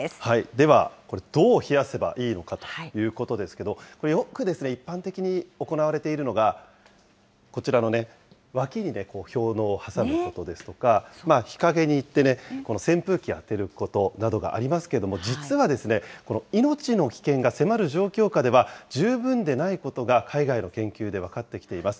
では、これどう冷やせばいいのかということですけど、よく一般的に行われているのが、こちらのね、脇に氷のうを挟むことですとか、日陰に行って扇風機を当てることなどがありますけれども、実は命の危険が迫る状況下では、十分でないことが海外の研究で分かってきています。